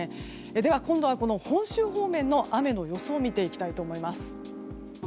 では今度は本州方面の雨の予想を見ていきたいと思います。